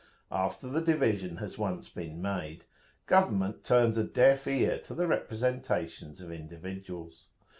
After the division has once been made, government turns a deaf ear to the representations of individuals.